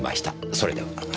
それでは。